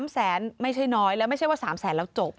๓แสนไม่ใช่น้อยแล้วไม่ใช่ว่า๓แสนแล้วจบ